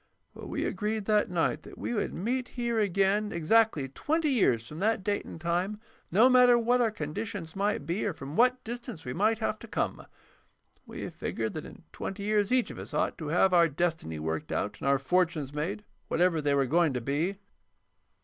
Well, we agreed that night that we would meet here again exactly twenty years from that date and time, no matter what our conditions might be or from what distance we might have to come. We figured that in twenty years each of us ought to have our destiny worked out and our fortunes made, whatever they were going to be."